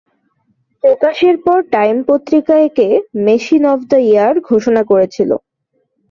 প্রকাশের পর টাইম পত্রিকা একে "মেশিন অফ দ্য ইয়ার" ঘোষণা করেছিল।